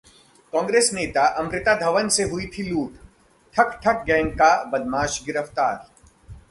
कांग्रेस नेता अमृता धवन से हुई थी लूट, ठक-ठक गैंग का बदमाश गिरफ्तार